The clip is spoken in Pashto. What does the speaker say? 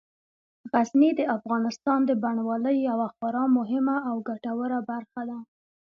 غزني د افغانستان د بڼوالۍ یوه خورا مهمه او ګټوره برخه ده.